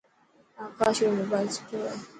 آڪاش رو موبائل سٺو هي.